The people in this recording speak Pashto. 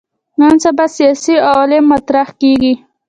نن سبا سیاسي علومو مطرح کېږي.